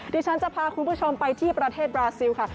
ที่ฉันจะพาคุณผู้ชมไปที่ประเทศบราซิลค่ะ